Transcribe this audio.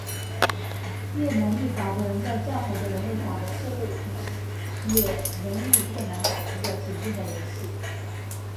越南裔法国人在较好的融入法国社会的同时也仍与越南保持着紧密的联系。